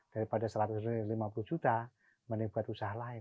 daripada satu ratus lima puluh juta menebat usaha lain